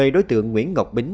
với quyết định